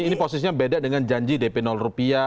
ini posisinya beda dengan janji dp rupiah